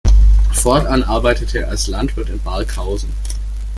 Fortan arbeitete er als Landwirt in Barkhausen.